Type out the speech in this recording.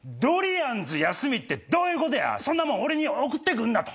あんず休みってどういうことや⁉そんなもん俺に送って来んな！」と。